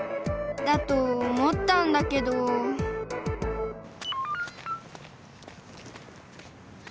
だと思ったんだけどね